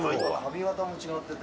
髪形も違ってて。